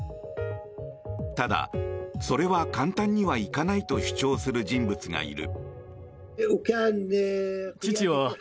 ただ、それは簡単にはいかないと主張する人物がいる。